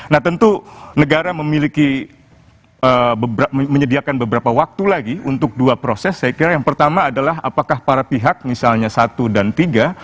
nah tentu negara memiliki menyediakan beberapa waktu lagi untuk dua proses saya kira yang pertama adalah apakah para pihak misalnya satu dan tiga